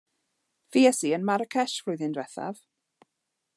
Fues i ym Maracesh flwyddyn ddiwethaf.